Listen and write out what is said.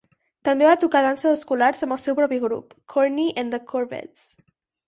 També va tocar danses escolars amb el seu propi grup, Corny and the Corvettes.